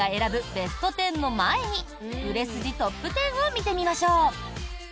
ベスト１０の前に売れ筋トップ１０を見てみましょう！